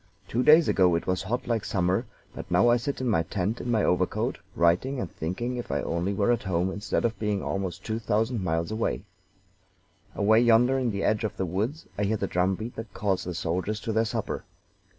Two days ago it was hot like summer, but now I sit in my tent in my overcoat, writing, and thinking if I only were at home instead of being almost two thousand miles away. "Away yonder, in the edge of the woods, I hear the drum beat that calls the soldiers to their supper.